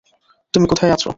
তুমি কোথায় আছো?